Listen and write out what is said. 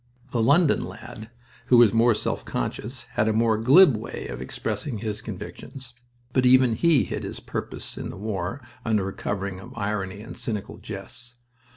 The London lad was more self conscious, had a more glib way of expressing his convictions, but even he hid his purpose in the war under a covering of irony and cynical jests.